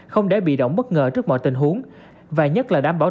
không để bị động bất ngờ trước mọi tình huống và nhất là đảm bảo